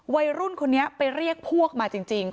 วัยรุ่นคนนี้ไปเรียกพวกมาจริง